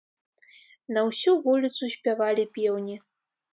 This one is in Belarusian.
На ўсю вуліцу спявалі пеўні.